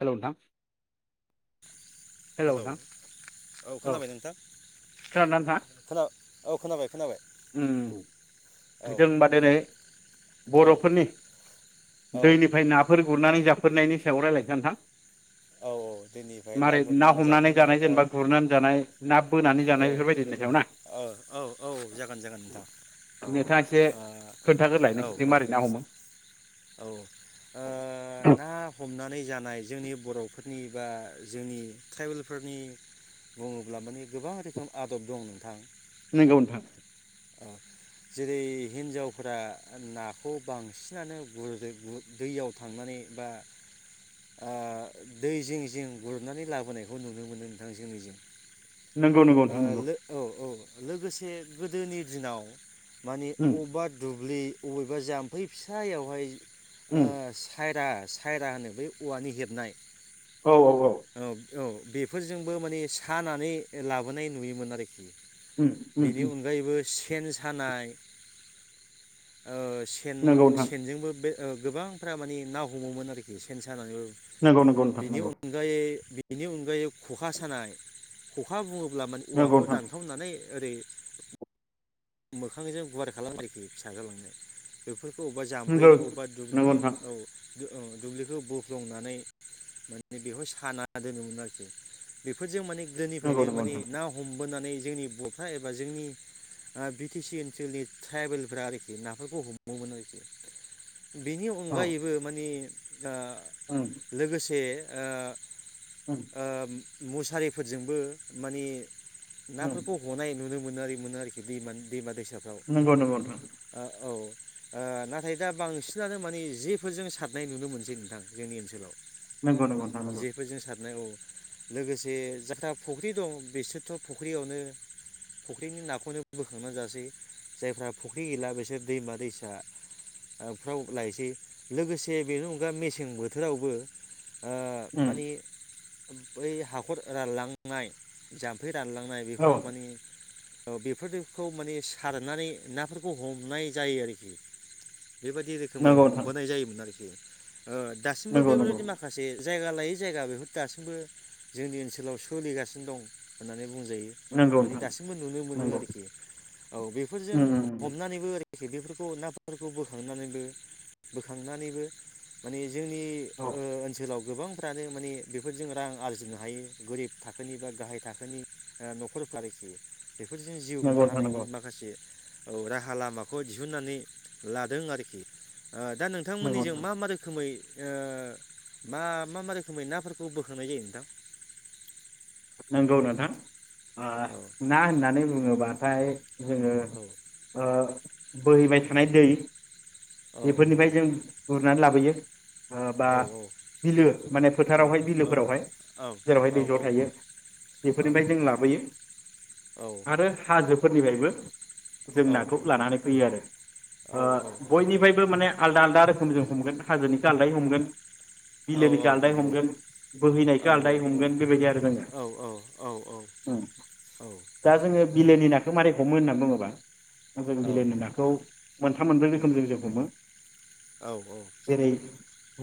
हेल' नोंथां हेलौ औ औ खोनाबाय नोंथां खोना- औ खोनाबाय खोनाबाय औ जोंबा दिनै औ बर'फोरनि औ दैनिफ्राय नाफोर गुरनानै जाफै फोरनायनि सायाव रायज्लायगोन नोंथां औ दैनिफ्राय मारै ना गुरनानै हमनानै जाफैनाय जानाय औ जेनेबा गुरनानै जानाय ना बोनानै औ जानाय बेफोरबायदिनि सायाव ना औ औ औ जागोन जागोन नोंथां औ नोंथाङा एसे औ खोन्थाग्रोलाय औ नोंसोरजों औ माबोरै ना हमो औ ना हमनानै जानाय जोंनि बर'फोरनि बा जोंनि ट्राइबेलफोरनि बुङोब्ला माने गोबां रोखोम आदब दं नोंथां नोंगौ नोंथां औ जेरै हिन्जावफोरा नाखौ बांसिनानो गुर दैयाव थांनानै बा दै जिं जिं गुरुरनानै लाबोनायखौ नुनो मोनो नोंथां जोंनि नंगौ नंगौ नोंथां नंगौ औ औ लोगोसे गोदोनि दिनाव माने उम अबेबा दुब्लि अबेबा जाम्फै फिसायावहाय ओ उम साइद आ सायरा होनो बै औवानि हेबनाय औ औ औ। औ बेफोरजोंबो माने सानानै लाबोनाय नुयोमोन आरोखि। ओम ओम बेनि ओम। अनगायैबो सेन सानाय सेन नंगौ नोंथां सेनजोंबो बे ओ गोबांफ्रा माने ना हमोमोन आरोखि सेन सानानैबो नंगौ नंगौ नोंथां नंगौ। बेनि अनगायै ख'खा सानाय ख'खा बुङो ब्ला माने नंगौ उवाखौ नोंथां दानखावनानै ओरै मोखांजों गुवार खालामो आरोखि फिसा जालांनाय बे फोरफोरखौ अबेबा नंगौ जाम्फैनि अबेबा नंगौ दुब्लिनि नोंथां औ। दो ओ दुब्लिखौ बोख्लंनानै माने बेहाय साना दोनोमोन आरोखि। बेफोरजों माने नंगौ गोदोनिफ्रायनो नंगौ माने नोंथां ना हमबोनानै जोंनि बर'फ्रा एबा जोंनि ओ बि टि सि ओनसोलनि ट्राइबेलफ्रा आरोखि नाफोरखौ हमोमोन आरोखि। बेनि औ अनगायैबो माने दा उम लोगोसे ओ उम ओम मुसारिफोरजोंबो माने उम नाफोरखौ हनाय नुनो मोनारि मोनारि दैमानि दैमा दैसा साफ्राव नंगौ नंगौ नोंथां आ औ। ओ नाथाय दा बांसिनानो माने जेफोरजों सारनाय नुनो मोनसै नोंथां जोंनि ओनसोलाव। नंगौ नंगौ नोथां नंगौ। जेफोरजों सारनाय औ लोगोसे जाहा फुख्रि दं बिसोरथ' फुख्रियावनो फख्रिनि नाखौनो बोखांनानै जासै जायफ्रा फुख्रि गैला बिसोर दैमा दैसा आ फ्राव लायसै। लोगोसे बेनि अनगा मेसें बोथोरावबो ओ उम माने बै हाखर रानलांनाय जाम्फै रानलांनाय बेफोराव औ माने औ बे फोरखौ माने सारनानै नाफोरखौ हमनाय जायो आरोखि। बेबायदि रोखोमै नंगौ नोंथां हमबोनाय जायोमोन आरोखि [inaudible] ओ दासिमबो नंगौ बेफोर नंगौ बायदि माखासे जायगा लायै जायगा बेह दासिमबो जोंनि ओनसोलाव सोलिगासिनो दं होननानै बुंजायो नंगौ माने नोंथां दासिमबो नुनो मोनो नंगौ आरोखि। औ बेफोरजों उम उम उम हमनानैबो बेफोरखौ नाफोरखौ बोखांनानै बोखांनानैबो माने जोंनि औ ओ ओनसोलाव गोबांफ्रानो माने बेफोरजों रां आरजिनो हायो गोरिब थाखोनि बा गाहाय थाखोनि ओ न'खरफोर आरोखि बेफोरजों हुंनो नंगौ नोंथां हानायनि नंगौ माखासे औ राहा लामाखौ दिहुननानै लादों आरोखि ओ दा नंगौ नोंथांमोननिजों नोंथां मा मा रोखोमै ओ मा मा मा रोखोमै नाफोरखौ बोखांनाय जायो नोंथां। नंगौ नोंथां। ओ ना होननानै बुङोबा ओमफाय जोङो औ ओ बोहैबाय थानाय दै औ बेफोरनिफ्राय जों बुरनानै लाबोयो बा औ बिलो माने औ फोथारावहाय औ बिलोफोरावहाय औ जेरावहाय दै ज' थायो बेफोरनिफ्राय जों लाबोयो औ आरो हाजो फोरनिफ्रायबो जों औ नाखौ नंगौ लानानै फैयो आरो ओ औ औ बयनिफ्रायबो माने आलदा आलदा जों हमगोन हाजोनि आलदाय हमगोन औ औ बिलोनिखौ आलदाय नंगौ हमगोन औ बोहैनायखौ औ आलदाय औ हमगोन बेबायदि आरो जोंनिया। औ औ ओं औ दा उम जोङो बिलोनि नाखौ मखौ मारोरै हमो होननानै बुङोबा जों औ बिलाइनि नाखौ मोनथाम मोनब्रै उम रोखोम जों जों हमो औ जेरै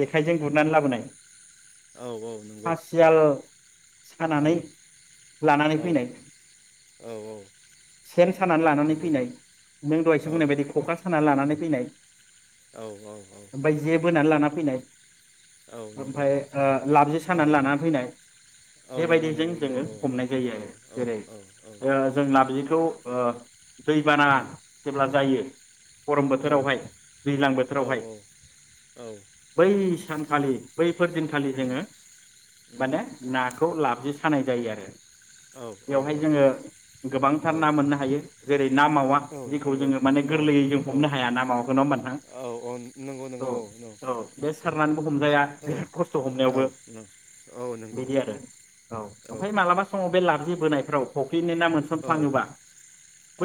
जेखायजों गुरनानै लाबोनाय औ औ नंगौ। फासियाल औ सानानै लनानै औ फैनाय औ सेन सानानै लानानै नंगौ फैनाय नों औ दहायसो बुंनाय बायदि खखा साना लानानै फैनाय औ औ ओमफ्राय जे बोनानै लाना फैनाय नंगौ ओमफफ्राय ओ लाबजि औ सानानै लानानै फैनाय नंगौ बेबायदिजों नंगौ नंगौ औ जोङो हमनाय जायो आरो जेरै औ औ उम औ नंगौ औ नंगौ औ ओ जों नबजिखौ ओ दैबाना जेब्ला जायो गरम बोथोरावहाय दैज्लां बोथोरावहाय बै सान खालि बै फोर दिनखालि जोङो माने नाखौ ला जि खानाय जायो आरो बेवहाय जोङो गोबांथार ना मोननो हायो जेरै ना मावा जेखौ जोङो माने गोरलैयै जों हमनो हाया ना मावागोनाव नङा होमबा नोंथां औ औ बे सारनानैबो हमजाया बिराद खस्थ' हमनायावबो नंगौ बिदि आरो औ ओमफ्राय माला समाव बे लाबजे बोनायफ्राव फ ख्रिनि औ औ मोनसनफाङोबा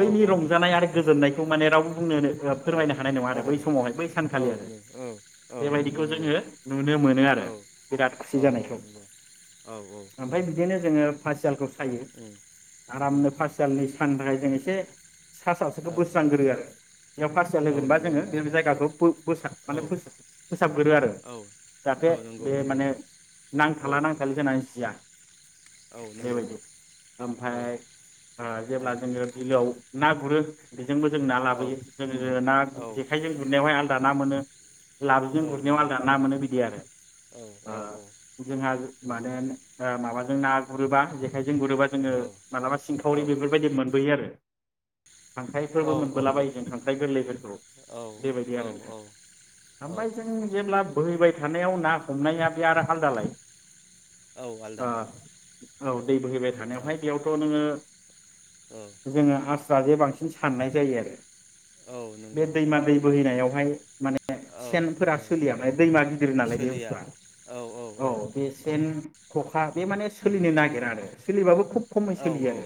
औ ओ औ रंजानाय आरो गोजोननाय खौमाने राव बुंनोनो ओ फोरमायनो हानाय नङा आरो बै समावहाय बै औ सानखालि आरो नों औ औ नंगौ बेबायदिखौ नंगौ जोङो नुनो मोनो आरो औ बिराद खुसि औ औ जानायखौ। नंगौ औ औ ओमफ्राय नंगौ बिदिनो जोङो फासियालखौ सायो उम उम आरामनो उम फासियालनि सान थाखाय जों एसे सा औ सासेखौ बोस्रांगोरो आरो बेयाव फारया औ लोगोनबा नंगौ जोङो नंगौ बे जायगाखौसाब औ माने फोसा फोसाबगोरो आरो औ औ जाहाथे नंगौ बे नंगौ माने औ नांथाला नांथालि जानानै जिया। औ नंगौ बेबायदि औ ओमफाय नंगौ औ ओ जेब्ला औ जोङो बिलोआव ना गुरो बेजोंबो जों ना लाबोयो जोङो ना औ जेखायजों गुरनायावहाय आल दाना मोनो लाबजों औ गुरनायाव नंगौ आलदा ना मोनो बिदि आरो औ ओ जोंहा माने ओ माबाजों ना गुरोबा जेखाय जों गुरोबा जोङो मालाबा सिंखावरि बेफोरबायदि मोनबोयो आरो खांख्राइफोरबो मोनबोलाबायो जों खांख्राइ गोरलैफोरखौ बेबायदि आरो औ ना औ ओमफ्राय जों जेब्ला बोहैबाय थानायाव ना हमनाया बे आरो आलदालाय औ आलदा ओ औ औ दै बोहैबाय औ थानायावहाय बेयावथ' नोङो औ जोङो आस [unintelligible] बांसिन साननाय जायो आरो औ बे नंगौ औ दैमा दै औ बोहैनायावहाय माने औ सेनफोरा औ सोलिया माने दैमा गिदिर नालाय बे सोलिया बुस्थुआ औ बे औ सेन खखा बे माने उम सोलिनो नागिरा आरो सलिबाबो खुब खमै औ सोलियो आरो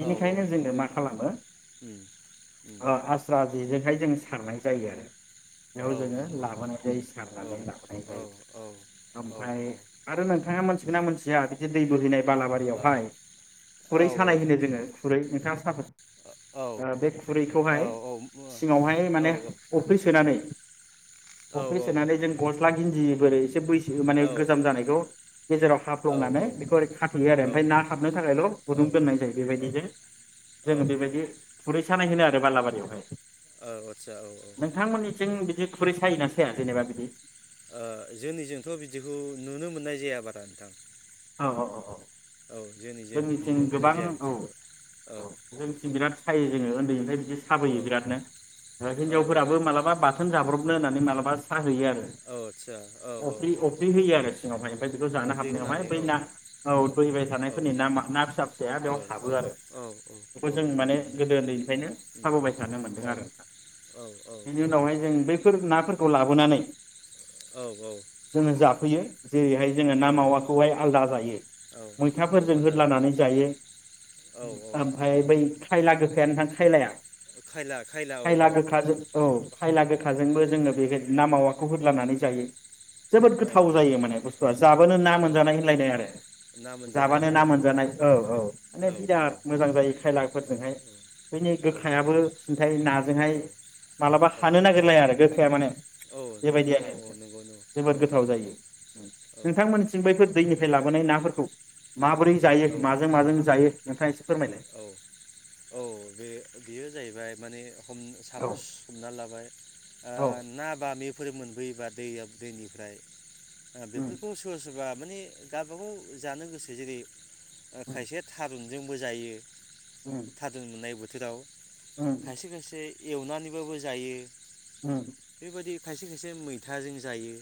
औ औ जोङो मा खालामो उम उम ओ आस्रा जेजों बेहाय जों सारनाय जायो आरो बेयाव औ जोङो नंगौ लाबोनाय जायो औ सारनानै लाबोनाय जायो औ औ औ ओमफ्राय आरो नोंथाङा मोनथिगोन उम ना मोनथिया बिदि दै बोहैनाय ओ बालाबारियावहाय औ खुरै सानाय होनो जोङो खुरै नोंथा साफोद औ औ ओ बे मो औ खुरैखौहाय सिङावहाय माने अफ्रि सोनानै। अफ्रि सोनानै जों गस्ला। गिन्दि बोरै एसे बै। बि औ माने गोजाम जानाय। [unintelligible] गेजेराव हाफ्लंनानै बेखौ ओरै खाथेयो आरो ना आमफाय हाबनो थाखायल' गुुंदुं औ दोननाय जायो औ बेबायदिनो औ जोङो बेबायदि खुरै। सानाय होनो आरो बालाबारियावहाय। आदसा औ औ ओ नोंथांमोननिथिं बिदि खुरै सायोना सा। [unintelligible] जेनेबा बिदि। ओ जोंनिजोंथ' बिदिखौ नुनो मोननाय जाया बारा नोंथां। अअअ। औ जोंनिजों जोंनिथिं नुनो मोननाय गोबां जाया औ बिदिखौ औ जोंनिथिं बिराद सायो। जोङो ओन्दैनिफ्राय। जे औ साबोयो बिरादनो औ औ हिनजावफोराबो औ माबा बाथोन जाब्रब। होननानै माला सा होयो आरो आदसा औ औ अफ्रि औ अफ्रि औ होयो आरो सिङावहाय ओमफ्राय बेखौ जानो अफ्रि हाबनायावहाय। होनानै औ फैना औ बोहैबाय औ थानायफोरनि ना मा ना फिसा फिसाया औ बेयाव औ हाबो आरो औ औ बेखौ जों माने नंगौ नंगौ गोदो उन्दैनिफ्रायनो उम साबोबाय थानो मोनदों औ आरो ओनथां औ औ बेनि उनावहाय जों बैफोर नाफोर। खौ लाबोनानै। जोङो जाफैयो। जेरैहाय जोङो ना औ मावा। खौहाय आलदा जायो औ मैथाफोरजों आलदा होदलानानै जायो। औ औ ओमफ्राय बै खायला गोखाया नोंथां खायलाया। खायला औ खायला औ गोखाजों औ खायला औ गोखाजोंबो जोंनो बे नाम मावा। खौ होदलानानै जायो। जोबोद औ गोथाव नंगौ जायो माने बुस्थुआ जाबानो ना औ मोन- जानाय होनलायनाय आरो ना मोनजानाय जाबानो औ ना मोनजानाय औ औ माने औ औ बिराद मोजां जायो खायलाफोरजोंहाय बेनि औ गोखायाबो सिन्थाय नाजोंहाय मालाबा हानो नागिरलाया आरो गोखाया माने। औ बेबायदि नंगौ औ आरो औ नंगौ नंगौ औ जोबोद औ गोथाव जायो औ औ। नोंथांमोननिथिं बैफोर दैनिफ्राय लाबोनाय नाफोरखौ। माबोरै जायो औ माजों माजों जायो। नोंथाङा एसे फोरमायलाय औ औ बे-बेयो जायैबाय माने हम औ साफस हमना लाबाय ओ औ ना बामिफोर मोन बैयोबा दैया दैनिफ्राय ओ उम बेफोरखौ सोरबा सोरबा माने गावबागाव जानो गोसो जेरै ओ खायसे थारुन जोंबो जायो। [unintelligible] [unintelligible] उम उम खायसे खायसे एवनानैबाबो जायो। उम बेबायदि खायसे खायसे मैथाजों जायो।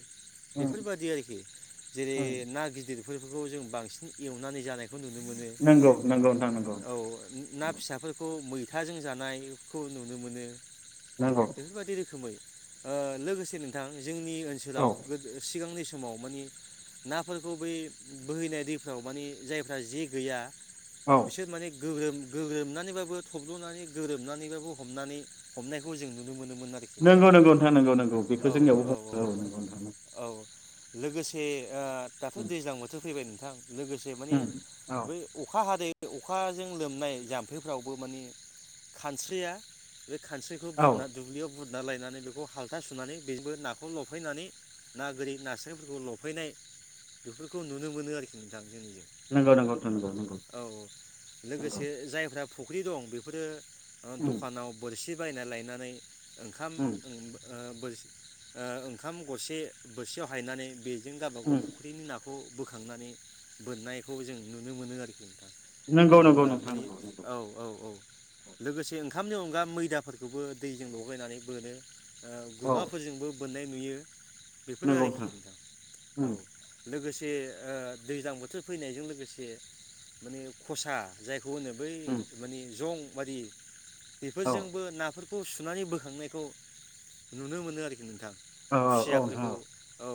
उम बेफोरबायदि आरोखि उम जेरै ना गिदिर बेफोरखौ जों बांसिन एवनानै जानाय नंगौ नंगौ नंगौ औ ना फिसाफोरखौ मै थाजों जानायखौ नुनो मोनो। नंगौ बेफोरबायदि रोखोमै ओ लोगोसे नोंथां जोंनि औ ओनसोलाव गोदो सिगांनि समाव माने नाफोरखौ बै बोहैनाय दैफ्राव माने जायफ्रा जे गैया औ बिसोर माने गोग्रोम गोग्रोमनानैबाबो थब्लनानै ग्रोरोबनानैबाबो हमनानै हमनायखौ जों नुनो मोनो मोन आरोखि नोंथां नंगौ नंगौ नंगौ नंगौ बेखौ औ जोंनियावबो औ औ बुङो नंगौ नोंथां औ लोगोसे ओ दाथ दैज्लां बोथोर फैबाय नोंथां लोगोसे माने उम औ बै अखा हाद बे अखाजों लोमनाय जाम्फैफ्रावबो माने खानस्रिया गो खानस्रिखौ औ बुरना दुब्लियाव गुरना लायनानै बेखौ हालथा सुनानै बेबो नाखौ लफैनानै ना गोरि नास्रिफोरखौ लफैनाय बेफोरखौ नुनो मोनो आरोखि नोंथां जोंनिजों नंगौ नंगौ नोंथां नंगौ नंगौ औ औ नंगौ लोगोसे जाय जा फुख्रि दं बेफोरो ओ उम दखानाव बोरसि बायना लायनानै ओंखाम उम ओं ओ बोर ओ ओंखाम गरसे बोरसियाव हायनानै बे जों गावबा गाव उम फख्रिनि ना खौ बोखांनानै बोननायखौ जों नुनो मोनो आरोखि ओ नंगौ नंगौ होमबा नोंथां मानि नंगौ नंगौ औ औ औ लोगोसे ओंखामनि अनगा मैदाफोरखौबो दैजों लगायनानै बोनो। ओ औ गुमाफोरजोंबो बोननाय नुयो। बेफोरो आरोखि नोंथां औ उम लोगोसे ओ दैज्लां बोथोर फैनायजों लोगोसे माने खसा जाय खौ होनो बै उम माने जं बादि औ बेफोरजोंबो नाफोर खौ सुनानै बोखांनायखौ नुनो मोनो आरोखि नोंथां। औ औ नोंथां खुसियाफोरखौ औ औ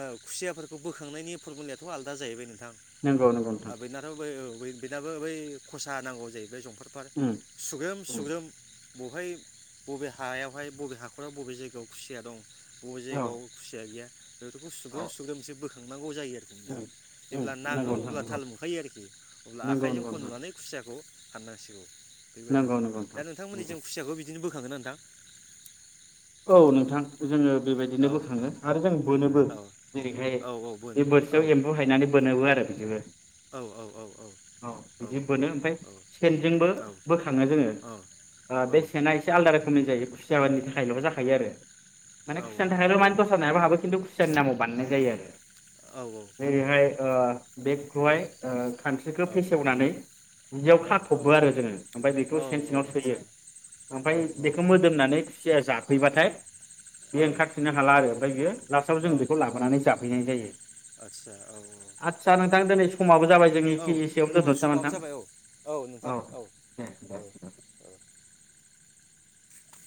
ओ खुसियाफोरखौ बोखांनायनि फरमुुलियाथ आलदा जाहैबाय नोंथां। नंगौ नंगौ आ नोंथां बैनाथ बै औ बै बेनाबो बै खसा नांगौ जाहैबाय जं फार फार उम सुग्रोम उम सुग्रोम बहाय बबे हायावहाय बबे हाखरा बबे जायगायाव खुसिया दं बबे औ जायगायाव खुसिया गैया बेफोरखौ सुब्रोम औ सुब्रोमसो बोख [unintelligible] गौ जायो आरोखि नोंथां उम उम जेब्ला नाङो नंगौ नोंथां अब्ला नंगौ थाल मोनखायो आरोखि अब्ला नंगौ आखाइजों नंगौ नोंथां खन'नानै खुसियाखौ फाननांसिगौ। बेबायदि नंगौ नंगौ दा नोंथां नोंथांमोननि नंगौ जों खुसियाखौ बि दिनो बोखाङो ना नोंथां? औ नोंथां जोङो बेबायदिनो औ बोखाङो आरो जों बोनोबो। औ जेरैहाय औ औ बोन बे औ बोरसियाव एम्बु हायनानै बोनोबो आरो बिदिबो। औ औ औ औ बिदि बोनो ओमफाय सेनजोंबो बोखाङो जोङो औ ओ औ बे सेना एसे आल रोखोमनि जायो खुसिया बादि हायल' जाखायो आरो। माने औ खुसियानि थाखायाल' नंगौ माने दस्रा नायाबो हाबो खिन्थु खुसियानि नामाव बानायनाय जायो आरो औ आदसा औ आदसा औ जेरैहाय ओ बेखौहाय ओ खानस्रिखौ फेसेवनानै जियाव खाथ'बो आरो जोङो ओमफाय बेखौ सेन सिङाव सोयो ओमफाय बेखो मोदोमनानै [unintelligible] फैबाथाय बेयो ओंखारफिननो हाला आरो ओमफाय बियो लासआव जों बेखौ लाबोनानै जा हैैनाय जायो। आदसा नोंथां दोनै समाबो जाबाय जोंनि औ एखे एसेवनो औ दोनथ'नोसै नामा समाबो जाबाय औ नोंथां नोथां। औ दे दे औ दे। औ